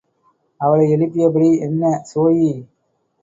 அவளை எழுப்பியபடி, என்ன ஸோயி?